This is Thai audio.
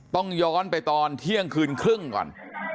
ต้องย้อนไปตอนเที่ยงคืนครึ่งก่อน